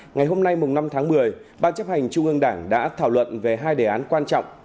ngày hôm nay năm tháng một mươi ban chấp hành trung ương đảng đã thảo luận về hai đề án quan trọng